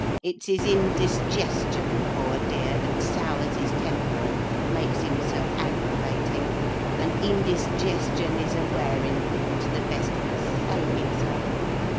It's his indisgestion, poor dear, that sours his temper and makes him so agravating—and indisgestion is a wearing thing to the best of us, ain't it, sir?"